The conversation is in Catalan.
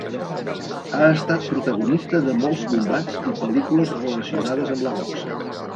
Ha estat protagonista de molts combats i pel·lícules relacionades amb la boxa.